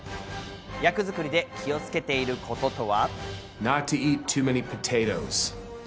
役作りで気をつけていることとは？